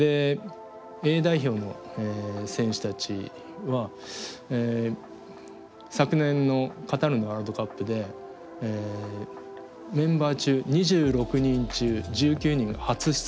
Ａ代表の選手たちは昨年のカタールのワールドカップでメンバー中２６人中１９人が初出場の選手だったんですね。